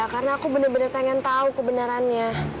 karena aku bener bener pengen tahu kebenarannya